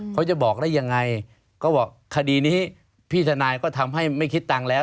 เขาจะบอกได้ยังไงก็บอกคดีนี้พี่ทนายก็ทำให้ไม่คิดตังค์แล้ว